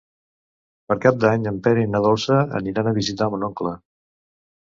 Per Cap d'Any en Pere i na Dolça aniran a visitar mon oncle.